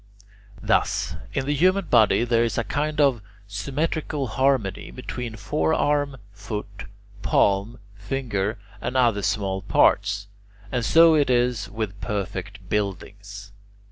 Thus in the human body there is a kind of symmetrical harmony between forearm, foot, palm, finger, and other small parts; and so it is with perfect buildings.